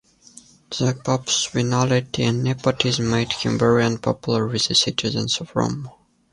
The Pope's venality and nepotism made him very unpopular with the citizens of Rome.